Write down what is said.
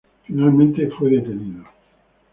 Finalmente fue detenido.